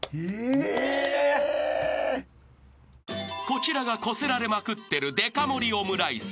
［こちらがこすられまくってるでか盛りオムライス］